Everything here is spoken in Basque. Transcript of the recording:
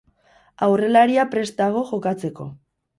Aurrelaria prest dago jokatzeko.